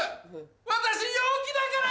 私陽気だから！